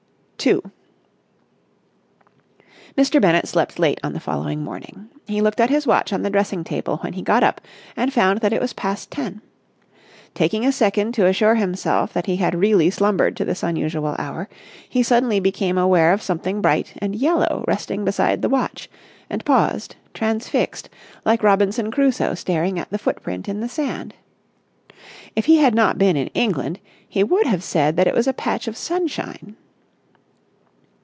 § 2 Mr. Bennett slept late on the following morning. He looked at his watch on the dressing table when he got up, and found that it was past ten. Taking a second look to assure himself that he had really slumbered to this unusual hour, he suddenly became aware of something bright and yellow resting beside the watch, and paused, transfixed, like Robinson Crusoe staring at the footprint in the sand. If he had not been in England, he would have said that it was a patch of sunshine.